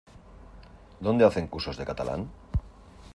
¿Dónde hacen cursos de catalán?